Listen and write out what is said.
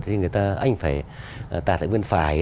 thì người ta anh phải tạ thể viên phải